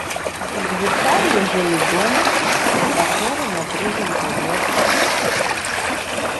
Звычайны жылы дом, кватэра на другім паверсе.